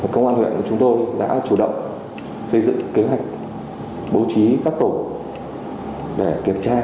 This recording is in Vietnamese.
công an huyện của chúng tôi đã chủ động xây dựng kế hoạch bố trí các tổ để kiểm tra